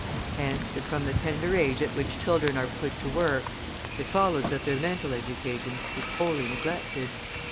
Hence, and from the tender age at which children are put to work, it follows that their mental education is wholly neglected.